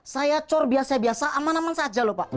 saya cor biasa biasa aman aman saja loh pak